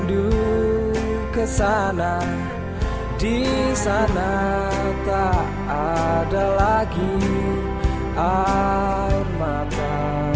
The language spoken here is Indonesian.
di sana di sana tak ada lagi air mata